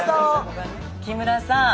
木村さん